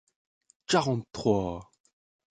quarante-trois